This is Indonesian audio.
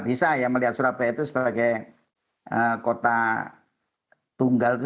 bisa ya melihat surabaya itu sebagai kota tunggal itu